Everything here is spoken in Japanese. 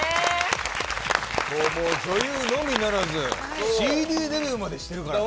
女優のみならずＣＤデビューまでしてるからね。